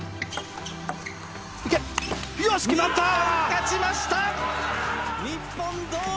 勝ちました！